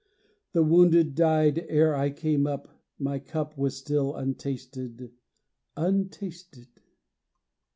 The wounded died ere I came up; My cup was still untasted, Untasted.